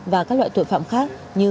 và các loại tội phạm khác như